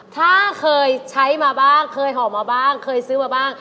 ถ้าเคยใช้มาบ้างเคยห่อมาบ้างเคยซื้อมาบ้าง